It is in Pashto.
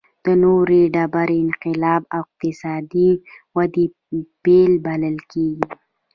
د نوې ډبرې انقلاب د اقتصادي ودې پیل بلل کېږي.